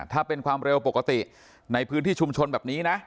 ถ้าเป็นความเร็วปกติในพื้นที่ชุมชนแบบนี้นะ